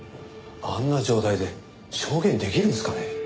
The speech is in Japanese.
あんな状態で証言できるんですかね？